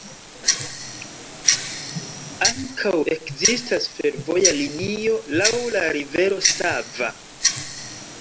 Ankaŭ ekzistas fervoja linio laŭ la rivero Sava.